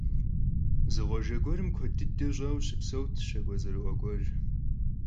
Zı khuajje guerım kued dıde ş'aue şıpseurt şak'ue ts'erı'ue guer.